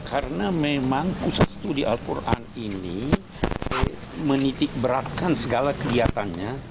karena memang kusus di al quran ini menitikberatkan segala kegiatannya